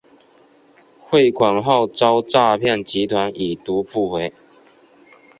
汇款后遭诈骗集团已读不回